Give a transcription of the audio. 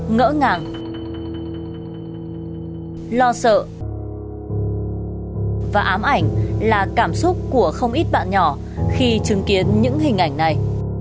ngỡ ngàng lo sợ và ám ảnh là cảm xúc của không ít bạn nhỏ khi chứng kiến những hình ảnh này